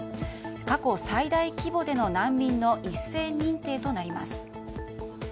過去最大規模での難民の一斉認定となります。